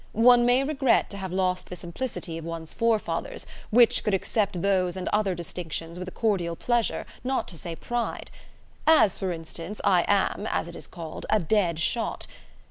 One may regret to have lost the simplicity of one's forefathers, which could accept those and other distinctions with a cordial pleasure, not to say pride. As, for instance, I am, as it is called, a dead shot.